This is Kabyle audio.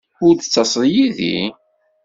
Ur d-ttaseḍ yid-i?